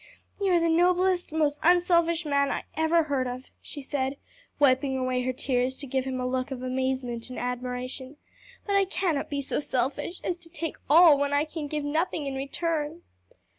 "You are the noblest, most unselfish man I ever heard of," she said, wiping away her tears to give him a look of amazement and admiration; "but I cannot be so selfish as to take all when I can give nothing in return."